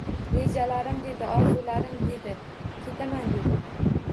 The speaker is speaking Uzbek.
Rejalarim dedi, orzularim dedi, ketaman dedi.